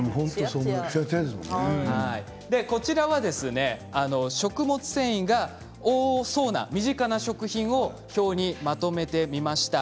こちらは食物繊維が多そうな身近な食品を表にまとめてみました。